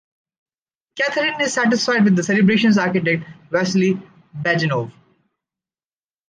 Catherine is satisfied with the celebration’s architect, Vasily Bajenov.